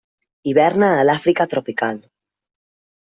Hiverna a l'Àfrica tropical.